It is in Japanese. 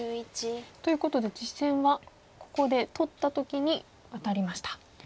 ということで実戦はここで取った時にワタりました。